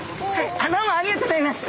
あっどうもありがとうギョざいます。